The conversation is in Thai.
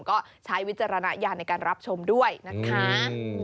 ก็ใช้วิจารณญาณในการรับชมด้วยนะคะ